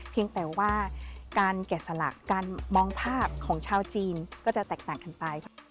เพียงแต่ว่าการแกะสลักการมองภาพของชาวจีนก็จะแตกต่างกันไป